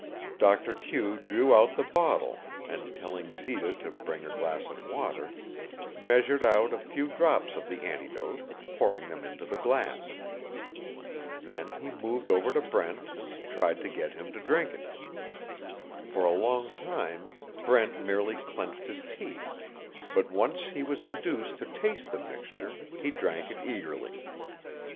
Doctor Q drew out the bottle and, telling Zita to bring a glass of water, measured out a few drops of the antidote, pouring them into the glass. Then he moved over to Brent and tried to get him to drink it. For a long time Brent merely clenched his teeth, but, once he was induced to taste the mixture, he drank it eagerly.